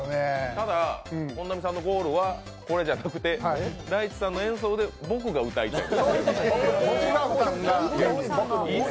ただ、本並さんのゴールはこれじゃなくてＤａｉｃｈｉさんの演奏で僕が歌いたい。